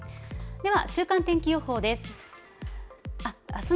では、週間天気予報です。